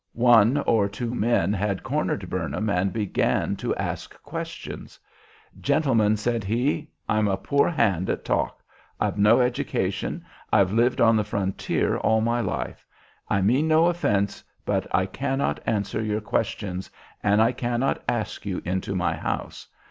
One or two men had cornered Burnham and began to ask questions. 'Gentlemen,' said he, 'I'm a poor hand at talk. I've no education. I've lived on the frontier all my life. I mean no offence, but I cannot answer your questions and I cannot ask you into my house.